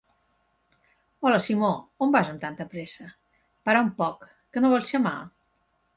Hola Simó; on vas amb tanta pressa? Para un poc, que no vols xamar?